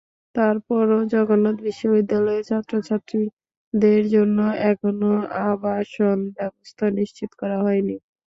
তারপরও জগন্নাথ বিশ্ববিদ্যালয়ের ছাত্রছাত্রীদের জন্য এখনো আবাসন ব্যবস্থা নিশ্চিত করা হয়নি।